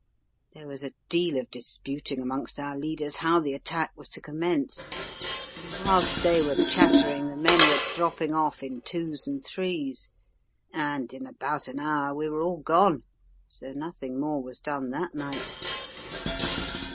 There was a deal of disputing amongst our leaders how the attack was to commence, and whilst they were chattering the men were dropping off in twos and threes, and in about an hour we were all gone, so nothing more was done that night.